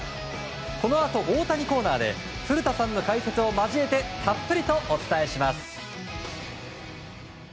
このあと大谷コーナーで古田さんの解説を交えてたっぷりとお伝えします。